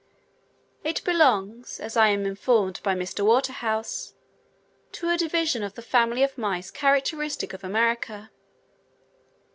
It belongs, as I am informed by Mr. Waterhouse, to a division of the family of mice characteristic of America.